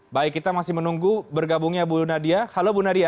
baik kita masih menunggu bergabungnya bu nadia halo bu nadia